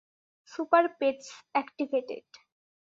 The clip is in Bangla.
Super-Pets, activate!